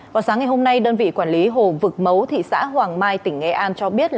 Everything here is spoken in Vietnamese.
vào sáng ngày hôm nay đơn vị quản lý hồ vực mấu thị xã hoàng mai tỉnh nghệ an cho biết